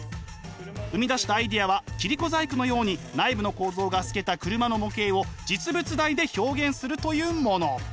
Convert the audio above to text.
生み出したアイデアは切り子細工のように内部の構造が透けた車の模型を実物大で表現するというもの。